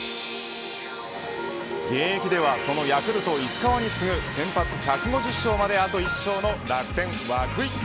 現役ではそのヤクルト石川に次ぐ先発１５０勝まであと１勝の楽天、涌井。